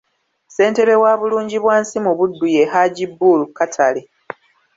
Ssentebe wa bulungibwansi mu Buddu ye Haji Bull Katale.